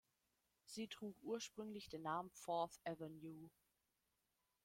Sie trug ursprünglich den Namen "Fourth Avenue".